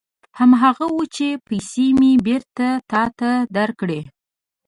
هماغه و چې پېسې مې بېرته تا ته درکړې.